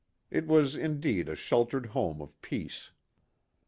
It was indeed a sheltered home of peace.